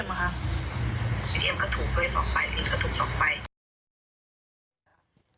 เนี่ย